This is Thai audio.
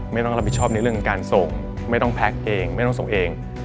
ไม่ต้องรับผิดชอบในเรื่องของการส่งไม่ต้องแพ็คเองไม่ต้องส่งเอง